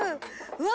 うわ。